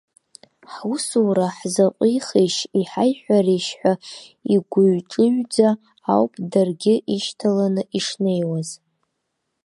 Ҳусура ҳзаҟәихишь, иҳаиҳәаришь ҳәа игәыҩ-ҿыҩӡа ауп даргьы ишьҭаланы ишнеиз.